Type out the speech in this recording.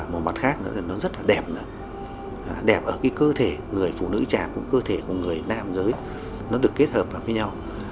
một mặt khác nó rất đẹp đẹp ở cơ thể người phụ nữ trà cơ thể người nam giới nó được kết hợp với nhau